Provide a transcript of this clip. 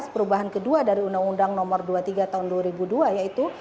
perubahan kedua dari undang undang nomor dua puluh tiga tahun dua ribu dua yaitu